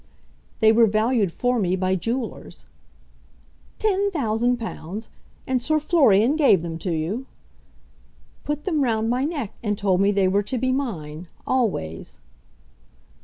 "They were valued for me by jewellers." "Ten thousand pounds! And Sir Florian gave them to you?" "Put them round my neck, and told me they were to be mine, always."